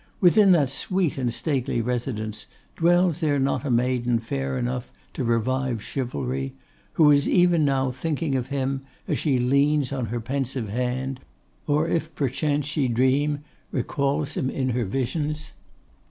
Within that sweet and stately residence, dwells there not a maiden fair enough to revive chivalry; who is even now thinking of him as she leans on her pensive hand, or, if perchance she dream, recalls him in her visions?